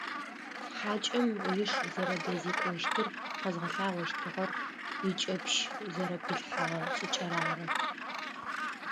Хьакӏэм иш зэрэдэзекӏощтыр къэзгъэлъагъощтыгъэр икӏэпщ зэрэпилъэгъэ шӏыкӏэр ары.